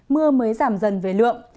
mưa mới giảm dần về lượng